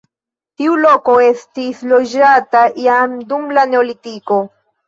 Tiu loko estis loĝata jam dum la neolitiko.